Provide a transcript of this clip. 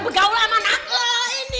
begaulah sama anak lo ini